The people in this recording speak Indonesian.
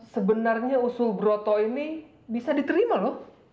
sebenarnya usul broto ini bisa diterima loh